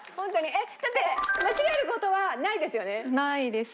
えっだって間違える事はないんですよね？